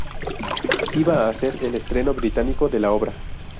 Iba a ser el estreno británico de la obra.